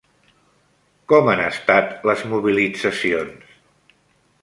Com han estat les mobilitzacions?